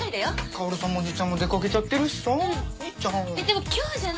薫さんもおじちゃんも出かけちゃってるしさいいじゃん。